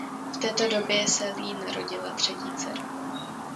V té době se Lee narodila třetí dcera.